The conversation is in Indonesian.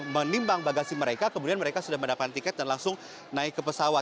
menimbang bagasi mereka kemudian mereka sudah mendapatkan tiket dan langsung naik ke pesawat